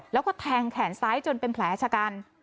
แล้วก็แทงแขนซ้ายจนเป็นแผลชะกัน